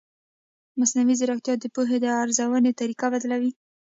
مصنوعي ځیرکتیا د پوهې د ارزونې طریقه بدلوي.